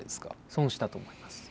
損したと思います。